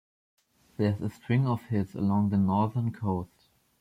There is a string of hills along the northern coast.